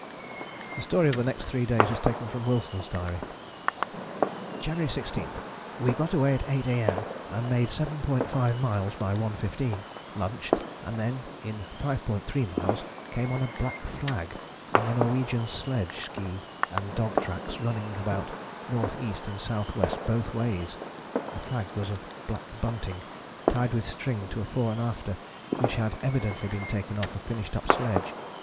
The story of the next three days is taken from Wilson's diary: "January 16. We got away at 8 A.M. and made 7.5 miles by 1.15, lunched, and then in 5.3 miles came on a black flag and the Norwegians' sledge, ski, and dog tracks running about N.E. and S.W. both ways. The flag was of black bunting tied with string to a fore and after which had evidently been taken off a finished up sledge.